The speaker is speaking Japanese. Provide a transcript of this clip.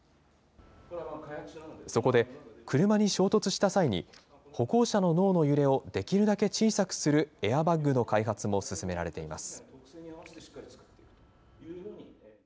そこで、車に衝突した際に、歩行者の脳の揺れをできるだけ小さくするエアバッグの開発も進められています。